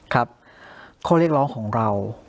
ครับข้อเรียกร้องของเรา